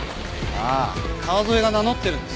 ああ川添が名乗ってるんです。